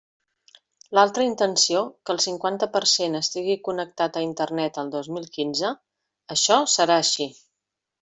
L'altra intenció, que el cinquanta per cent estigui connectat a Internet el dos mil quinze, això serà així.